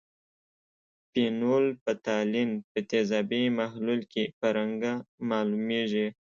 فینول فتالین په تیزابي محلول کې په رنګ معلومیږي.